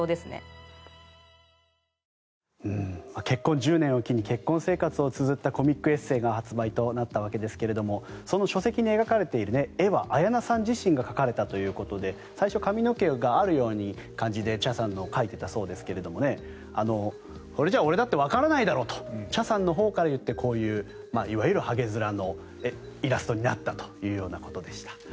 結婚１０年を機に結婚生活をつづったコミックエッセーが発売となったわけですがその書籍に描かれている絵は綾菜さん自身が描かれたということで最初、髪の毛があるような感じで茶さんを描いていたそうですがこれじゃ俺だってわからないだろうと茶さんのほうから言ってこういういわゆるはげづらのイラストになったということでした。